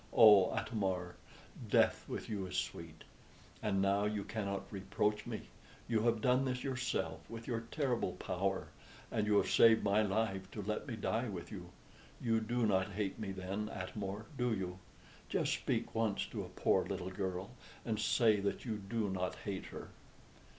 "Oh, Atam or, death with you is sweet! And now you cannot reproach me You have done this yourself, with your terrible power; and you have saved my life to let me die with you. You do not hate me, then, Atam or, do you? Just speak once to a poor little girl, and say that you do not hate her!"